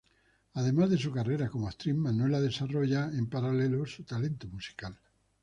Además de su carrera como actriz, Manuela desarrolla en paralelo su talento musical.